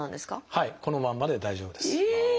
はいこのまんまで大丈夫です。